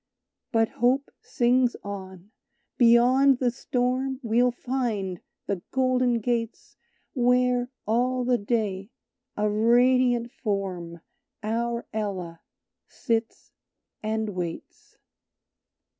But Hope sings on: "Beyond the storm We'll find the golden gates Where, all the day, a radiant Form, Our Ella, sits and waits."